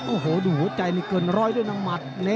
โอ้โหดูหัวใจนี่เกินร้อยด้วยนะหมัด